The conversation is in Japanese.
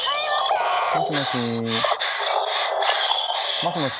もしもし？